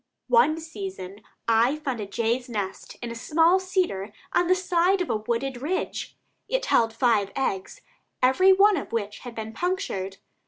One season I found a jay's nest in a small cedar on the side of a wooded ridge. It held five eggs, every one of which had been punctured.